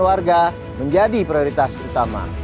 warga menjadi prioritas utama